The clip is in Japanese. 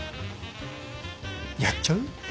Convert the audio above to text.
やっちゃう？